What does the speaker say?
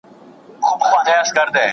څېړنې ښيي چې مرستې ته لاسرسی مهم دی.